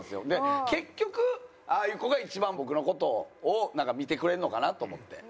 結局ああいう子が一番僕の事を見てくれるのかなと思って。